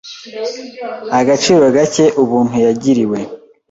agaciro gake ubuntu yagiriwe